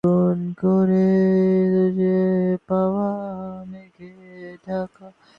সকাল সাড়ে নয়টা পর্যন্ত কোনো কেন্দ্রে অপ্রীতিকর ঘটনার খবর পাওয়া যায়নি।